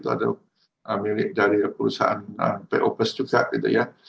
ada milik dari perusahaan pobes juga gitu ya